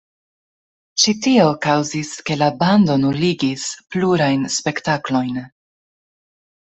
Ĉi tio kaŭzis ke la bando nuligis plurajn spektaklojn.